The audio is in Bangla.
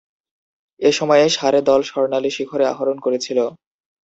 এ সময়ে সারে দল স্বর্ণালী শিখরে আরোহণ করেছিল।